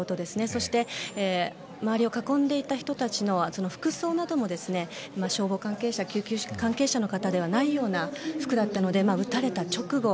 そして、周りを囲んでいた人たちの服装なども消防関係者救急関係者の方ではない服だったので、撃たれた直後